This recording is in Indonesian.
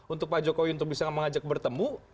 untuk pak jokowi untuk bisa mengajak bertemu